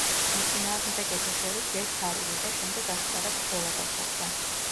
მოწინააღმდეგეთა შორის ჯერ ფარული და შემდეგ აშკარა ბრძოლა გაჩაღდა.